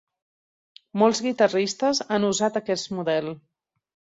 Molts guitarristes han usat aquest model.